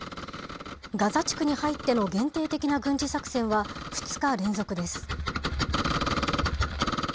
ガザ地区に入っての限定的な軍事作戦は２日連続です。